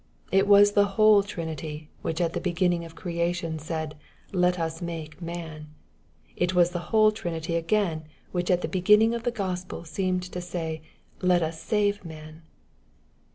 It was the whole Trinity, which at the beginning of creation said, ^^ let us make man.'' It was the whole Trinity again, which at the beginning of the Gospel seemed to say, " let us save man.''